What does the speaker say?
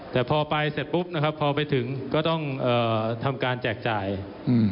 แต่พอไปเสร็จปุ๊บนะครับพอไปถึงก็ต้องเอ่อทำการแจกจ่ายอืม